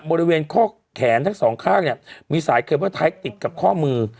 บริเวณข้อแขนทั้งสองข้างเนี่ยมีสายเคเบิ้ลไทยติดกับข้อมือ